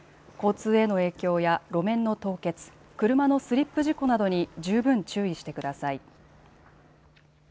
交通への影響や路面の凍結、車のスリップ事故などに十分注意してください。